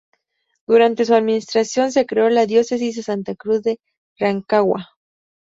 Durante su administración se creó la Diócesis de Santa Cruz de Rancagua.